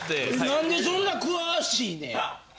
なんでそんな詳しいねや。